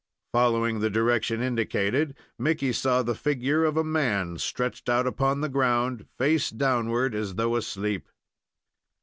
Following the direction indicated, Mickey saw the figure of a man stretched out upon the ground, face downward, as though asleep.